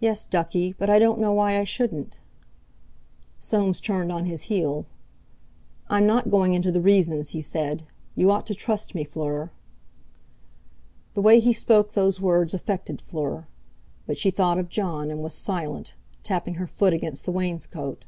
"Yes, ducky, but I don't know why I shouldn't." Soames turned on his heel. "I'm not going into the reasons," he said; "you ought to trust me, Fleur!" The way he spoke those words affected Fleur, but she thought of Jon, and was silent, tapping her foot against the wainscot.